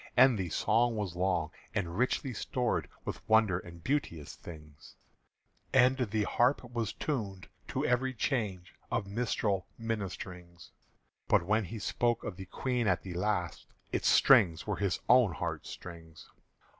_" And the song was long, and richly stored With wonder and beauteous things; And the harp was tuned to every change Of minstrel ministerings; But when he spoke of the Queen at the last, Its strings were his own heart strings.